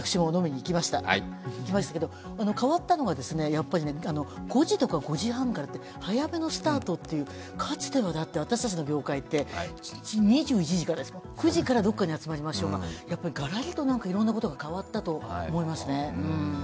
行きましたが、変わったのが５時とか５時半からという早めのスタートというかつては私たちの業界って２１時からですもん、９時からどっかに集まりましょう、がやっぱりガラリといろんなことが変わったと思いますね。